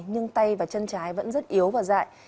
nhưng tay và chân trái vẫn rất yếu và dại